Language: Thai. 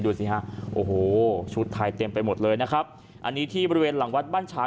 ดูสิฮะโอ้โหชุดไทยเต็มไปหมดเลยนะครับอันนี้ที่บริเวณหลังวัดบ้านฉาย